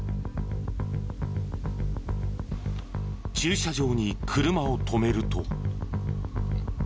駐車場に車を止めると。